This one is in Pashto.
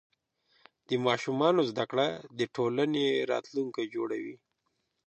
د ماشومانو زده کړه د ټولنې راتلونکی جوړوي.